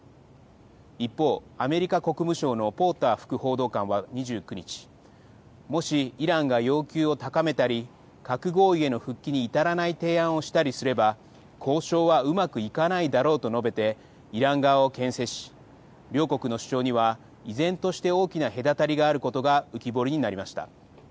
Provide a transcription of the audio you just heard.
一方、アメリカ国務省のポーター副報道官は２９日、もしイランが要求を高めたり、核合意への復帰に至らない提案をしたりすれば、交渉はうまくいかないだろうと述べて、イラン側をけん制し、両国の主張には依然として大きな隔たりがあることが浮き彫りになりました。